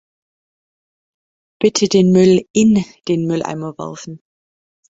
Bitte den Müll "in" den Mülleimer werfen.